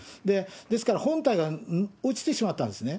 ですから本体が落ちてしまったんですね。